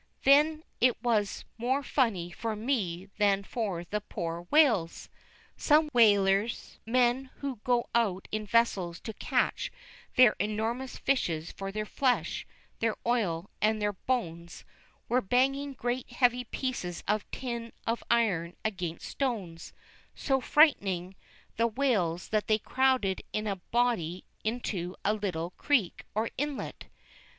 Then it was more funny for me than for the poor whales. Some whalers, men who go out in vessels to catch these enormous fishes for their flesh, their oil, and their bones, were banging great heavy pieces of tin of iron against stones, so frightening the whales that they crowded in a body into a little creek or inlet.